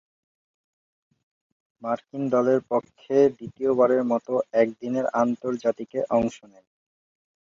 মার্কিন দলের পক্ষে দ্বিতীয়বারের মতো একদিনের আন্তর্জাতিকে অংশ নেন।